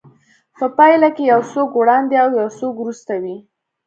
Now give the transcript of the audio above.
په پايله کې يو څوک وړاندې او يو څوک وروسته وي.